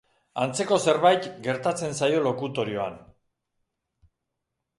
Antzeko zerbait gertatzen zaio lokutorioan.